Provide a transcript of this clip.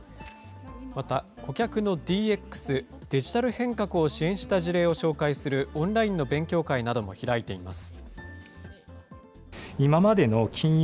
また、顧客のＤＸ・デジタル変革を支援した事例を紹介するオンラインの勉強会なども開いています。